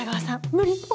無理っぽい。